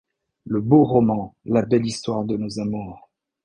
Le beau roman, la belle histoire de nos amours !